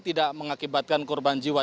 tidak mengakibatkan korban jiwa